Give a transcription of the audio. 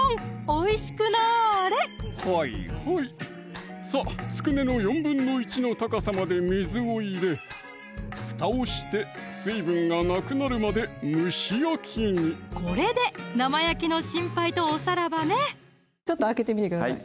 おいしくなれはいはいさぁつくねの１／４の高さまで水を入れふたをして水分がなくなるまで蒸し焼きにこれで生焼けの心配とおさらばねちょっと開けてみてください